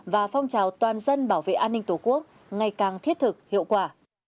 và phong trào toàn dân bảo vệ an ninh tổ quốc ngày càng thiết thực hiệu quả